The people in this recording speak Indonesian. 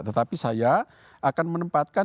tetapi saya akan menempatkan